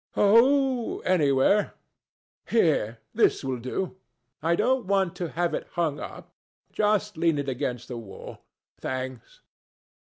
"Oh, anywhere. Here: this will do. I don't want to have it hung up. Just lean it against the wall. Thanks."